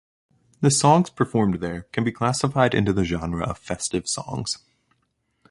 The songs performed there can be classified into the genre of festive songs.